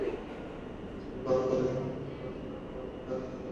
Scan করার পরেই hack করতে পারবে, তারপরে দিয়ে আমাদের নেটওয়ার্ক খুঁজে পাবে।